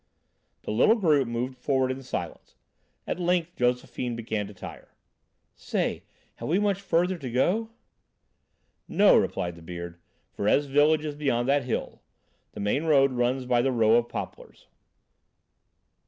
The little group moved forward in silence. At length Josephine began to tire. "Say, have we much further to go?" "No," replied the Beard. "Verrez village is behind that hill. The main road runs by the row of poplars."